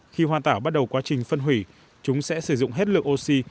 khi hoa tảo bắt đầu quá trình phân hủy chúng sẽ sử dụng hết lượng oxy